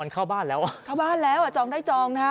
เข้าบ้านแล้วจองได้จองนะ